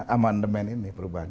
amendement ini perubahan